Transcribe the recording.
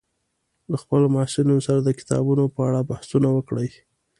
له خپلو محصلینو سره د کتابونو په اړه بحثونه وکړئ